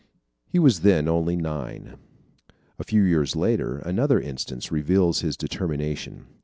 He was then only nine. A few years later, another instance reveals his determination.